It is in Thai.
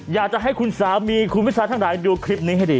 อยากจะให้คุณสามีคุณวิชาทั้งหลายดูคลิปนี้ให้ดี